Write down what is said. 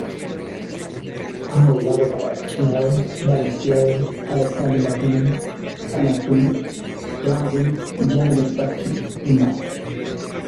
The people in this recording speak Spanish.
Ha modelado para Chanel, Balenciaga, Alexander McQueen, Anna Sui, Lanvin, Gianni Versace, y más.